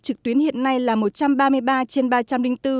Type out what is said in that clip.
trực tuyến hiện nay là một trăm ba mươi ba trên ba trăm linh bốn